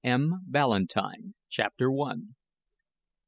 M. BALLANTYNE. CHAPTER ONE.